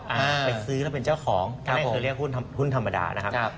ไปซื้อแล้วเป็นเจ้าของคือเรียกว่าหุ้นธรรมดานะครับ